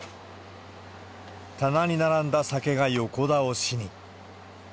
棚に並んだ酒が横倒しに。